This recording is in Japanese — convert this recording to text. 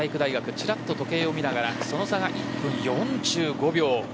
ちらっと時計を見ながらその差が１分４５秒。